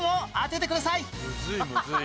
むずいむずい。